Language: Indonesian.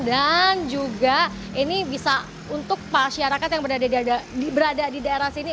dan juga ini bisa untuk masyarakat yang berada di daerah sini